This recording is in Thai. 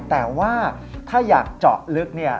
แต่ว่าถ้าอยากเจาะลึกเนี่ย